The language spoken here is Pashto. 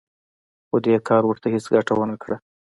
خو دې کار ورته هېڅ ګټه ونه کړه